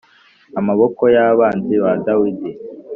amaboko y abanzi ba Dawidi